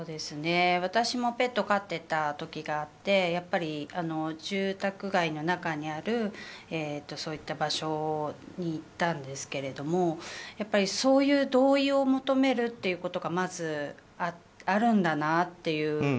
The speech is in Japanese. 私もペットを飼っていた時があってやっぱり、住宅街の中にあるそういった場所に行ったんですけれどもそういう同意を求めるということがまず、あるんだなという。